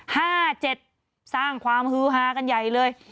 ห้าเจ็ดสร้างความฮือฮากันใหญ่เลย